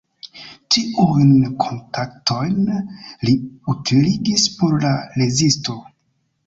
Tiujn kontaktojn li utiligis por la rezisto.